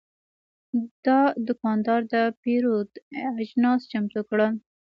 دا دوکاندار د پیرود اجناس چمتو کړل.